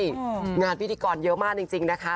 งานพิธีกรเยอะมากจริงนะคะ